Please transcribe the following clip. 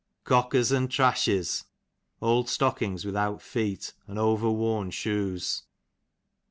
Cockers, and trashes, old stock ings without feet, and over worn shoes.